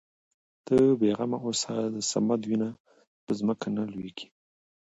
ته بې غمه اوسه د صمد وينه په ځمکه نه لوېږي.